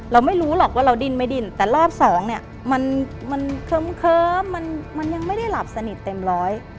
เราไม่รู้หรอกว่าเราดิ้นไม่ดิ้นแต่รอบสองเนี่ยมันเคิ้มมันยังไม่ได้หลับสนิทเต็มร้อย